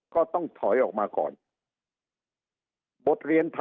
ก็ต้องถอยออกมาก่อน